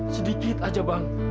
sedikit aja bang